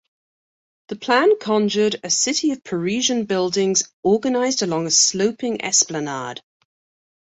The plan conjured a city of Parisian buildings organized along a sloping esplanade.